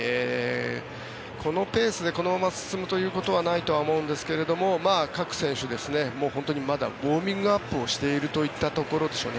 このペースでこのまま進むということはないとは思うんですが各選手、本当にまだウォーミングアップをしているというところでしょうね。